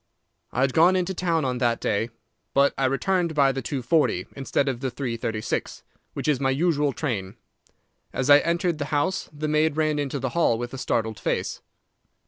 "I had gone into town on that day, but I returned by the 2.40 instead of the 3.36, which is my usual train. As I entered the house the maid ran into the hall with a startled face.